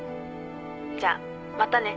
じゃあまたね。